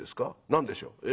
何でしょう？」。